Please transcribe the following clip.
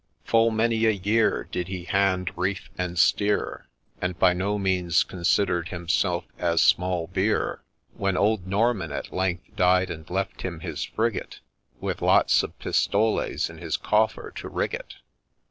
Full many a year Did he hand, reef, and steer, And by no means consider' d himself as small beer, When old Norman at length died and left him his frigate With lots of pistoles in his coffer to rig it.